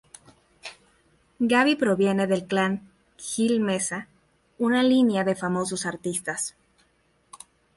Gabby proviene del clan Gil-Mesa, una línea de famosos artistas.